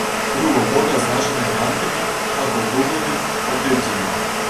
Тры ўваходы адзначаны ганкамі пад паўкруглымі пакрыццямі.